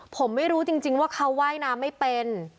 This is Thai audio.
ผมไม่รู้จริงว่าเขาว่ายน้ำไม่เป็น